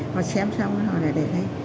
họ xem xong rồi họ lại để đây